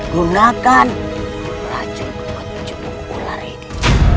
gunakan racun kecukular ini